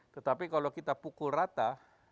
tetapi kalau kita pukul rata